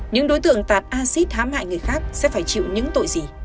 những đối tượng tạt acid hám hại người khác sẽ phải chịu những tội gì